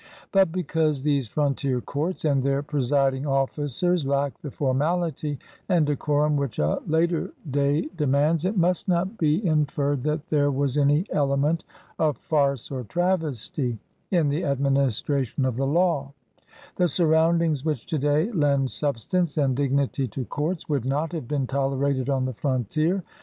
But because these frontier courts and their presiding officers lacked the formality and de corum which a later day demands, it must not be *See Smith's "Early Trials in Indiana." 24 PRIMITIVE PRACTICE IN INDIANA inferred that there was any element of farce or travesty in the administration of the law. The surroundings which to day lend substance and dignity to courts would not have been tolerated on the frontier.